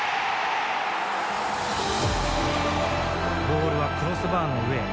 ボールはクロスバーの上へ。